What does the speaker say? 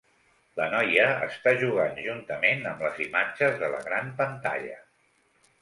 La noia està jugant juntament amb les imatges de la gran pantalla.